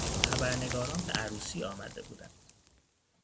خبرنگاران به عروسی آمده بودند.